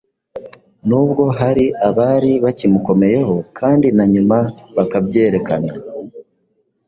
n'ubwo hari abari bakimukomeyeho kandi na nyuma bakabyerekana.